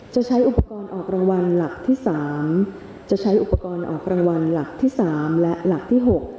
ใช้อุปกรณ์ออกรางวัลหลักที่๓จะใช้อุปกรณ์ออกรางวัลหลักที่๓และหลักที่๖